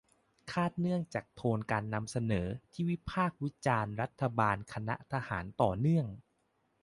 คาดเนื่องจากโทนการนำเสนอที่วิพากษ์วิจารณ์รัฐบาลคณะทหารต่อเนื่อง